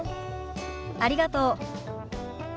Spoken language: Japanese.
ありがとう。